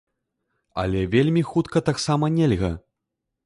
Але вельмі хутка таксама нельга.